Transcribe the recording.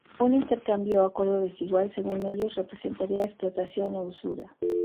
Un intercambio o acuerdo desigual, según ellos, representaría explotación o usura.